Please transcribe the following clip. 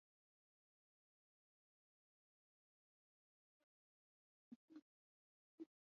Edward Lowassa alizaliwa Agosti ishirini na sita mwaka elfu moja Mia Tisa hamsini na